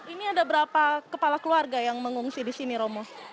ini ada berapa kepala keluarga yang mengungsi di sini romo